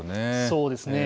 そうですね。